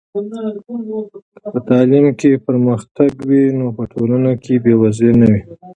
که په تعلیم کې پرمختګ وي نو په ټولنه کې بې وزلي نه وي.